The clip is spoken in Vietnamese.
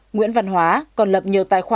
nguyễn văn hóa còn lập nhiều tài khoản